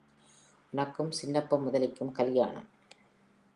உனக்கும் சின்னப்ப முதலிக்கும் கல்யாணம்!